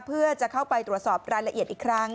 เพื่อจะเข้าไปตรวจสอบรายละเอียดอีกครั้ง